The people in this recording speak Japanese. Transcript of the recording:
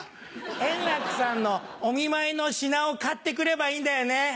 円楽さんのお見舞いの品を買って来ればいいんだよね？